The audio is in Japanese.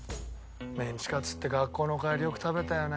メンチカツって学校の帰りよく食べたよね。